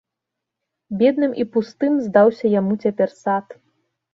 Бедным і пустым здаўся яму цяпер сад.